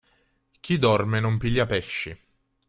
Chi dorme non piglia pesci.